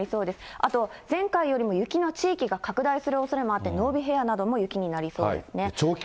あと前回よりも雪の地域が拡大するおそれもあって、のうび平野なども雪になりそうですね。